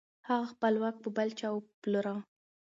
هغه خپل واک په بل چا وپلوره.